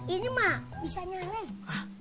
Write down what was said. ini mah bisa nyalain